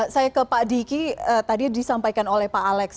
saya ke pak diki tadi disampaikan oleh pak alex